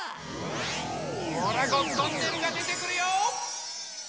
ほらゴットンネルがでてくるよ！